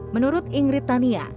menurut ingrid tania